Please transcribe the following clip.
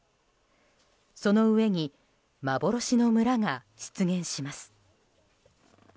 その上に、幻の村が出現します。